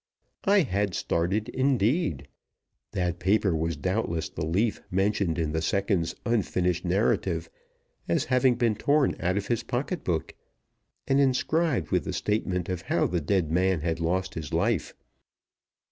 I had started, indeed. That paper was doubtless the leaf mentioned in the second's unfinished narrative as having been torn out of his pocketbook, and inscribed with the statement of how the dead man had lost his life.